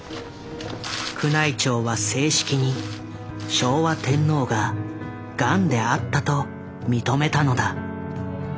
宮内庁は正式に「昭和天皇がガンであった」と認めたのだ。